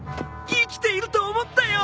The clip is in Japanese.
生きていると思ったよ！